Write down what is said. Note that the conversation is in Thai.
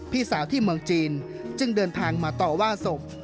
พี่สาวที่เมืองจีนจึงเดินทางมาต่อว่าศพ